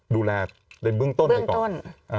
ดูแลในเบื้องต้นให้ก่อน